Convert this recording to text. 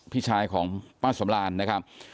พี่ชายของป้าสำรานนะครับ